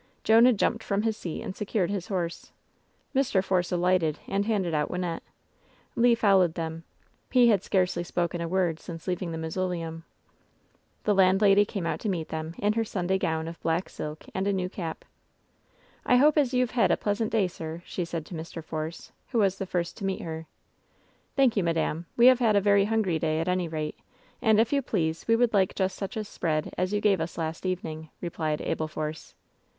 Jonah jumped from his seat and secured his horse. Mr. Force alighted and handed out Wynnette. Le followed them. He had scarcely spoken a word since leaving the mausoleum. The landlady came out to meet them, in her Sunday gown of black silk, and a new cap. "I hope as youVe hed a pleasant day, sir,'' she said to Mr. Force, who was the first to meet her. "Thank you, madam. We have had a very hungry day, at any rate ; and, if you please, we would like just such a spread as you gave us last evening," replied Abel Force.